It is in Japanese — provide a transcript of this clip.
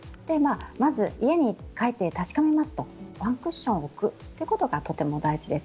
まず、家に帰って確かめますとワンクッション置くということがとても大事です。